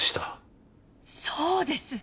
そうです。